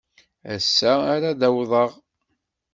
Ass-a ara d-awḍeɣ.